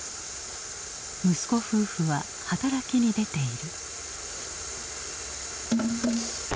息子夫婦は働きに出ている。